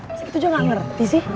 masa itu juga gak ngerti sih